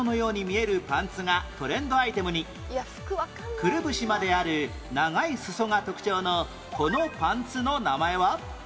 くるぶしまである長い裾が特徴のこのパンツの名前は？